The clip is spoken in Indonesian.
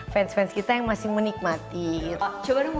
fans fans kita yang masih menikmatinya